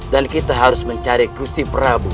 dan kita harus mencari gusti prabu